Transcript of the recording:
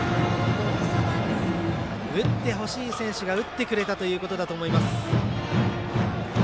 打ってほしい選手が打ってくれたということだと思います。